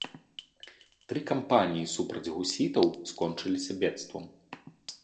Тры кампаніі супраць гусітаў, скончыліся бедствам.